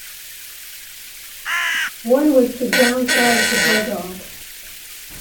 One was to downsize the Bulldog.